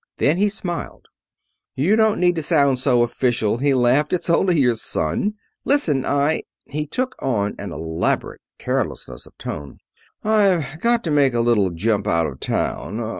Then he smiled. "You needn't sound so official," he laughed; "it's only your son. Listen. I" he took on an elaborate carelessness of tone "I've got to take a little jump out of town.